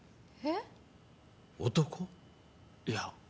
いや。